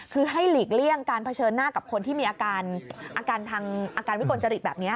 คือให้หลีกเลี่ยงการเผชิญหน้ากับคนที่มีอาการวิกลจริตแบบนี้ค่ะ